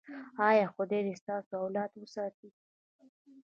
ایا خدای دې ستاسو اولاد وساتي؟